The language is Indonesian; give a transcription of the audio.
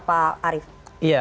pak arief iya